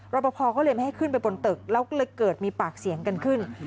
ปภก็เลยไม่ให้ขึ้นไปบนตึกแล้วก็เลยเกิดมีปากเสียงกันขึ้น